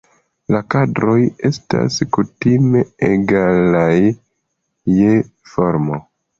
La kadroj estas kutime egalaj je formo.